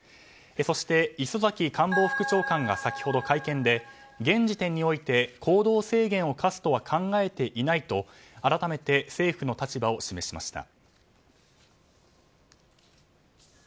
そして、磯崎官房副長官が先ほど会見で現時点において行動制限を課すとは考えていないと改めて、政府の立場を示しました。